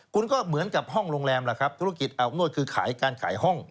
คุณก็เหมือนกับห้องโรงแรมล่ะครับธุรกิจอาบอบนวดคือขายการขายห้อง